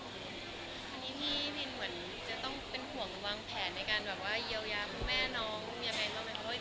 หรือเมืองแตั้งแต่คนเดียว